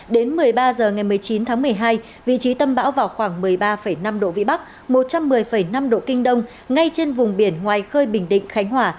đến một mươi ba h ngày một mươi chín tháng một mươi hai vị trí tâm bão vào khoảng một mươi ba năm độ vĩ bắc một trăm một mươi năm độ kinh đông ngay trên vùng biển ngoài khơi bình định khánh hòa